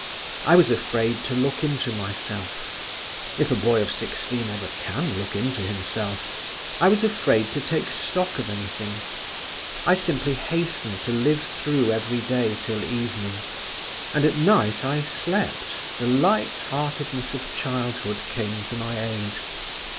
I was afraid to look into myself, if a boy of sixteen ever can look into himself; I was afraid to take stock of anything; I simply hastened to live through every day till evening; and at night I slept … the light heartedness of childhood came to my aid.